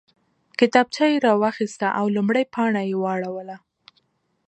کتابچه یې راواخیسته او لومړۍ پاڼه یې واړوله